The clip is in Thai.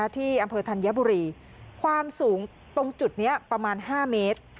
ที่อำเภอธัญบุรีความสูงตรงจุดนี้ประมาณ๕เมตร